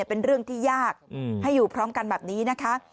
เป็นเรื่องที่ยากให้อยู่พร้อมกันแบบนี้นะคะ